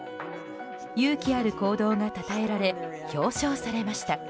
勇気ある行動がたたえられ表彰されました。